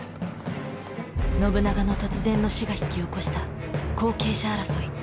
信長の突然の死が引き起こした後継者争い。